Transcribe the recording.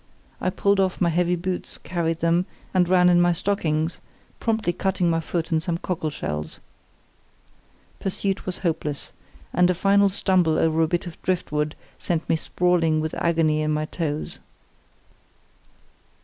I pulled off my heavy boots, carried them, and ran in my stockings, promptly cutting my foot on some cockle shells. Pursuit was hopeless, and a final stumble over a bit of driftwood sent me sprawling with agony in my toes.